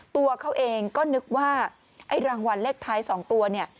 ตัวเขาเองก็นึกว่ารางวัลเลขท้าย๒ตัว